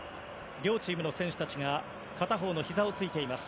両チームの選手たちが片方のひざをついています。